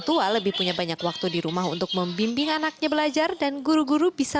tua lebih punya banyak waktu di rumah untuk membimbing anaknya belajar dan guru guru bisa